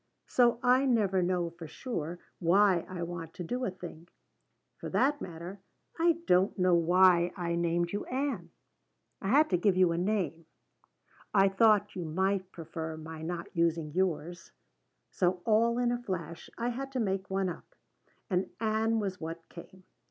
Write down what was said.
So I never know for sure why I want to do a thing. For that matter, I don't know why I named you Ann. I had to give you a name I thought you might prefer my not using yours so all in a flash I had to make one up and Ann was what came.